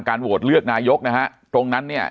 โหวตเลือกนายกนะฮะตรงนั้นเนี่ย